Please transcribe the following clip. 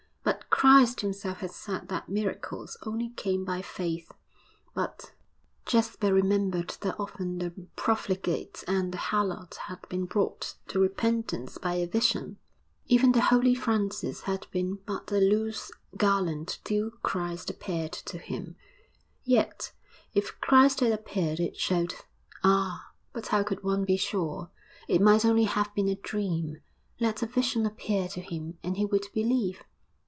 But Christ himself had said that miracles only came by faith, but Jasper remembered that often the profligate and the harlot had been brought to repentance by a vision. Even the Holy Francis had been but a loose gallant till Christ appeared to him. Yet, if Christ had appeared, it showed ah! but how could one be sure? it might only have been a dream. Let a vision appear to him and he would believe.